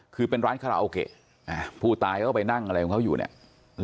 คือเป็นร้านคาราโอเกะผู้ตายเขาก็ไปนั่งอะไรของเขาอยู่เนี่ย